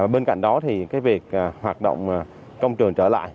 bên cạnh đó thì cái việc hoạt động công trường trở lại